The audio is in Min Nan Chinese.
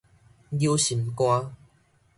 搝心肝